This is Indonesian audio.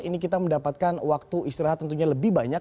ini kita mendapatkan waktu istirahat tentunya lebih banyak